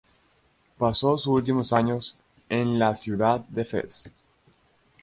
Pasó sus últimos años en la ciudad de Fez.